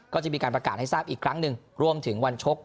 ก็จะมีการประกาศให้ทราบอีกครั้งหนึ่งรวมถึงวันชก